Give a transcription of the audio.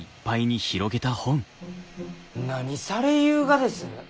何されゆうがです？